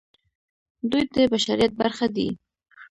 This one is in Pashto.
دوی د بشریت برخه دي.